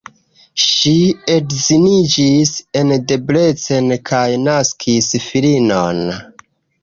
Ŝi edziniĝis en Debrecen kaj naskis filinon.